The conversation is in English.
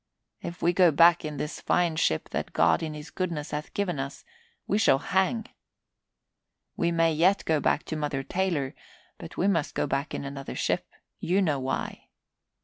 If we go back in this fine ship that God in his goodness hath given us, we shall hang. We may yet go back to Mother Taylor, but we must go back in another ship. You know why.